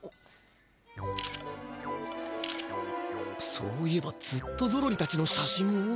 そういえばずっとゾロリたちの写真を。